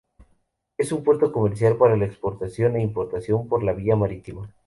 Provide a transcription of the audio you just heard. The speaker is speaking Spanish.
Es un puerto comercial para la exportación e importación por la vía marítima.